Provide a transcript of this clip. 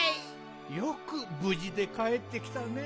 よくぶじでかえってきたね。